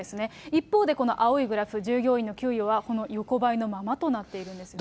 一方でこの青いグラフ、従業員の給与は横ばいのままとなっています。